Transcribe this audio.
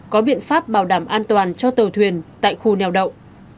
có biện pháp bảo đảm an toàn cho tàu thuyền tại khu nèo đậu